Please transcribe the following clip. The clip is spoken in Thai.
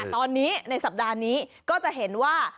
ตอนนี้ในสัปดาห์นี้ก็จะเห็นว่า